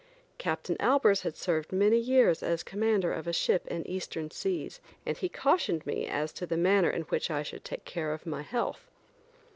Captain Albers had served many years as commander of a ship in Eastern seas, and he cautioned me as to the manner in which I should take care of my health.